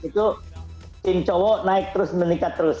itu tim cowok naik terus meningkat terus